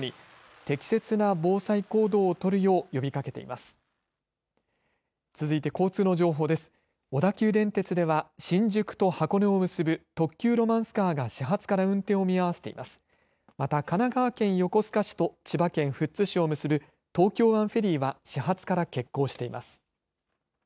また神奈川県横須賀市と千葉県富津市を結ぶ東京湾フェリーは始発から欠航しています。